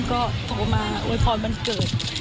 ก็โทรมาอวยพรวันเกิด